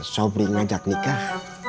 sobri ngajak nikah